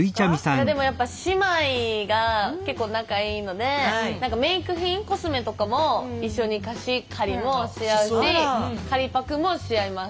いやでもやっぱ姉妹が結構仲いいのでメーク品コスメとかも一緒に貸し借りもし合うし借りパクもし合います。